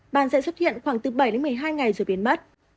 ban sẽ xuất hiện khoảng từ bảy đến một mươi hai ngày rồi biến mất